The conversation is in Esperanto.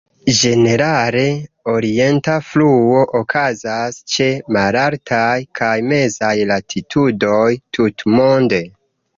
Ĝenerale, orienta fluo okazas ĉe malaltaj kaj mezaj latitudoj tutmonde.